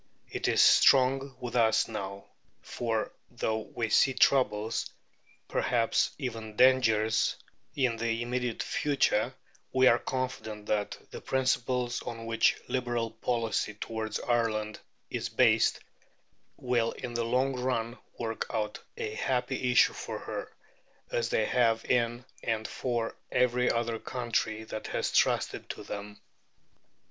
It is strong with us now, for, though we see troubles, perhaps even dangers, in the immediate future, we are confident that the principles on which Liberal policy towards Ireland is based will in the long run work out a happy issue for her, as they have in and for every other country that has trusted to them.